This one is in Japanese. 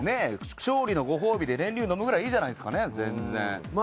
勝利のご褒美で練乳飲むぐらい、いいじゃないですか。